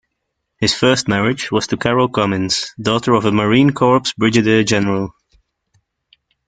His first marriage was to Carol Cummings, daughter of a Marine Corps brigadier general.